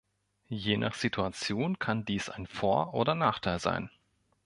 Je nach Situation kann dies ein Vor- oder Nachteil sein.